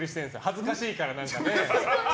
恥ずかしいから、何かね。